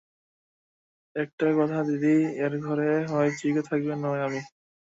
একটাই কথা দিদি, এই ঘরে হয় চিকু থাকবে, নয় আমি।